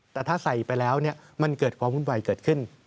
แต่ถ้าใส่ไปแล้วมันเกิดความวุ่นวายเกิดขึ้น